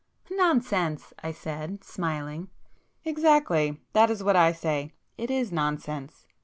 "Nonsense!" I said, smiling. "Exactly! That is what I say. It is nonsense!"